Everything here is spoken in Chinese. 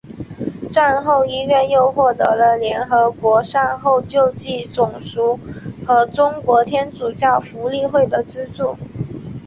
战后医院又获得了联合国善后救济总署和中国天主教福利会的资助。